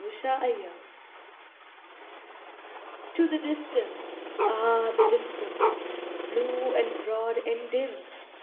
DISTANCE To the distance! Ah, the distance! Blue and broad and dim!